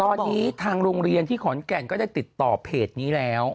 ตอนนี้ทางโรงเรียนที่ขอนแก่นก็ได้ติดต่อเพจนี้แล้ว